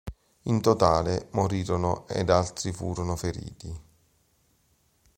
In totale, morirono, ed altri furono feriti.